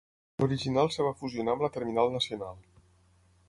L'original es va fusionar amb la terminal nacional.